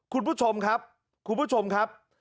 คุณผู้ชมครับคุณผู้ชมครับ